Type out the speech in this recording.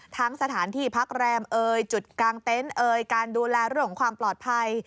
สถานที่พักแรมเอยจุดกลางเต็นต์เอ่ยการดูแลเรื่องของความปลอดภัย